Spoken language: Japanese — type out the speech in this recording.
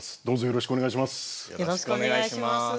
よろしくお願いします。